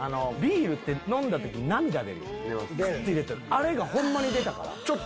あれがホンマに出たから。